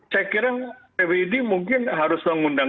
saya kira pbid mungkin harus mengundang